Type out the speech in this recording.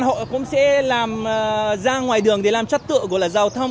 họ cũng sẽ làm ra ngoài đường để làm chất tựa gọi là giao thông